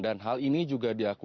dan hal ini juga diakui